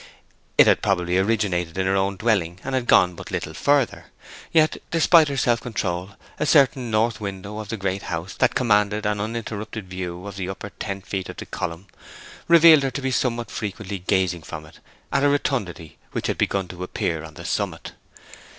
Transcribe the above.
It had probably originated in her own dwelling, and had gone but little further. Yet, despite her self control, a certain north window of the Great House, that commanded an uninterrupted view of the upper ten feet of the column, revealed her to be somewhat frequently gazing from it at a rotundity which had begun to appear on the summit.